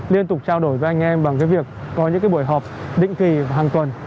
liên tục trao đổi với anh em bằng cái việc có những buổi họp định kỳ hàng tuần